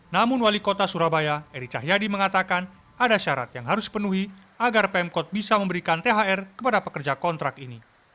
namun wali kota surabaya eri cahyadi mengatakan ada syarat yang harus dipenuhi agar pemkot bisa memberikan thr kepada pekerja kontrak ini